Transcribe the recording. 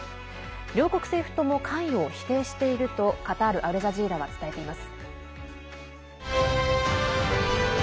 両国政府とも関与を否定しているとカタール・アルジャジーラは伝えています。